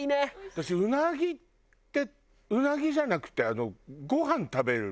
私うなぎってうなぎじゃなくてご飯食べる目的だもん。